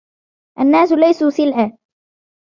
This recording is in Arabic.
الناس ليسوا سلعة.